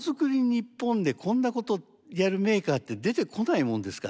日本でこんなことやるメーカーって出てこないもんですかね？